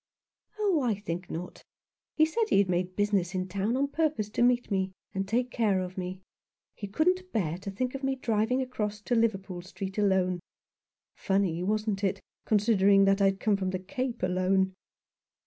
"Oh, I think not. He said he had made busi ness in town on purpose to meet me and take care of me. He couldn't bear to think of me driving across to Liverpool Street alone. Funny, wasn't it, considering that I had come from the Cape alone?